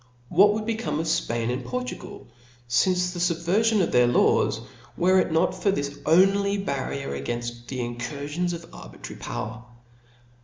What would become of Spain and Portugal fince the fub vcrfion of their laws, were it not for this only bar rier againft the incurfions of arbitrary power